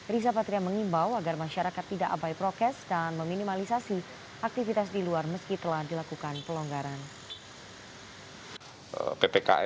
riza patria mengimbau agar masyarakat tidak abai prokes dan meminimalisasi aktivitas di luar meski telah dilakukan pelonggaran